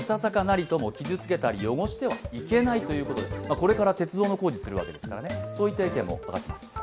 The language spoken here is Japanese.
これから鉄道の工事をするわけですから、そういった意見も上がっています。